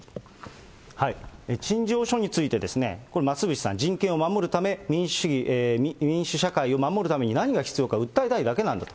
陳情書について、これ増渕さん、人権を守るため、民主主義、民主社会を守るために何が必要か訴えたいだけなんだと。